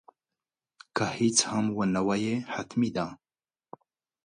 که هیڅ هم ونه وایې حتمي ده.